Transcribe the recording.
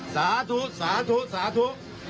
สาธุสาธุสาธุ